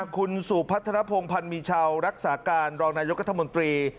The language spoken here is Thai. คุณสุพัฒนภงพันธ์มีชาวรักษาการรองนายกัธมนตรี